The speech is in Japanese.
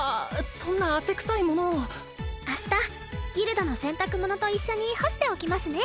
そんな汗臭い物を明日ギルドの洗濯物と一緒に干しておきますね